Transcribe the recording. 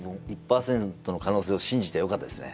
１％の可能性を信じてよかったですね。